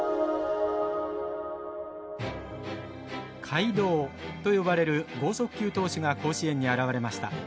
怪童と呼ばれる剛速球投手が甲子園に現れました。